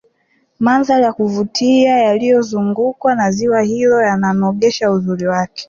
mandhari ya kuvutia yaliozungukwa na ziwa hilo yananogesha uzuri wake